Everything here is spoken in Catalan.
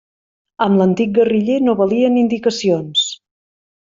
Amb l'antic guerriller no valien indicacions.